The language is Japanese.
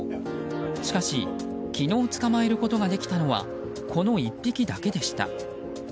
しかし昨日、捕まえることができたのはこの１匹だけでした。